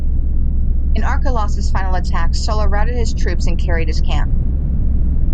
In Archelaus' final attack, Sulla routed his troops and carried his camp.